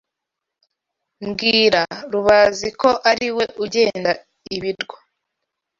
Mbwira Rubazi Ko ari we ugenda ibirwa